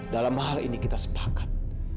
dalam hal ini kita sepakat